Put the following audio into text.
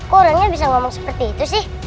kok orangnya bisa ngomong seperti itu sih